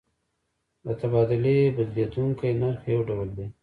د تبادلې بدلیدونکی نرخ یو ډول دی.